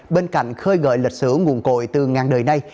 bên cạnh khơi gợi lịch sử nguồn cội từ ngàn đời nay